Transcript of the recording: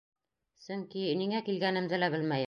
Сөнки... ниңә килгәнемде лә белмәйем...